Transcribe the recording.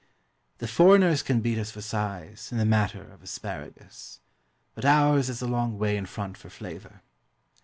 The foreigners can beat us for size, in the matter of asparagus; but ours is a long way in front for flavour.